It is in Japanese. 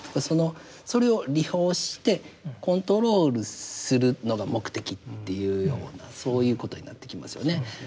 それを利用してコントロールするのが目的っていうようなそういうことになってきますよね。